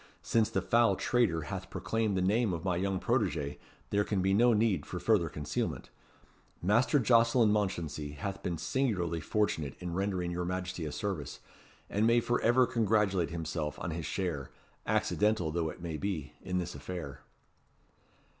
"Since the foul traitor hath proclaimed the name of my young protegé, there can be no need for further concealment. Master Jocelyn Mounchensey hath been singularly fortunate in rendering your Majesty a service, and may for ever congratulate himself on his share accidental though it be in this affair."